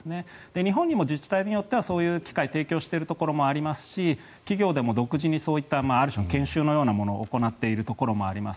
日本にも自治体によってはそういう機会を提供しているところもありますし企業でも独自にある種の研修のようなものを行っているところがあります。